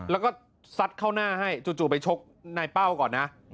แล้วก็ซัดเข้าหน้าให้จู่ไปชกนายเป้าก่อนนะ